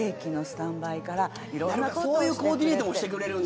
そういうコーディネートもしてくれるんだ。